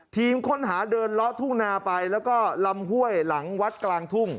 ทีมค้นหาเดินเลาะทุ่งนาไปแล้วก็ลำห้วยหลังวัดกลางทุ่ง